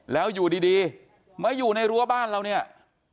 แล้วอยู่ดีเมื่ออยู่ในรั้วบ้านเรา